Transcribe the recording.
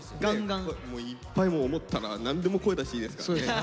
もういっぱい思ったら何でも声出していいですからね。